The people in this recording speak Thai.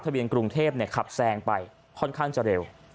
เบียนกรุงเทพขับแซงไปค่อนข้างจะเร็ว